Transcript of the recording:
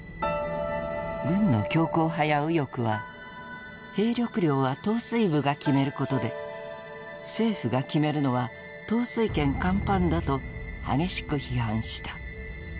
軍の強硬派や右翼は兵力量は統帥部が決めることで政府が決めるのは「統帥権干犯」だと激しく批判した。